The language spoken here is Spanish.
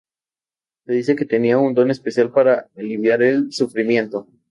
Se dice que tenía "un don especial para aliviar el sufrimiento.